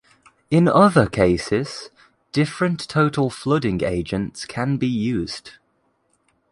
In other cases, different total flooding agents can be used.